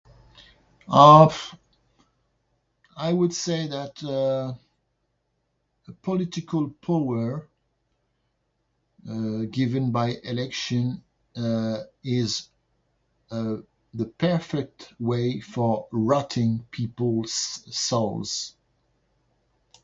umph, I would say that uh, political power, uh given by election, uh, is, uh the perfect way for rotting people's souls